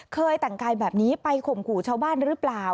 เคยแต่งกายแบบนี้ไปข่มขู่ชาวบ้านหรือเปล่า